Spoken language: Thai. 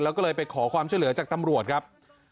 แล้วก็เลยไปขอความช่วยเหลือจากตำรวจครับ